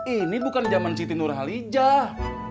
ini bukan zaman siti nurhalijah